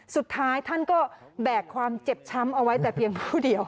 สุดท้ายท่านก็แบกความเจ็บช้ำเอาไว้แต่เพียงผู้เดียว